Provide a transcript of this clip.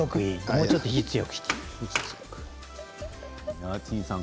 もうちょっと火を強くしてください。